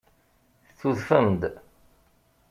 Tudfem-d.